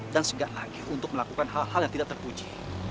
dan segan lagi untuk melakukan hal hal yang tidak terpuji